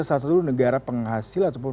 salah satu negara penghasil ataupun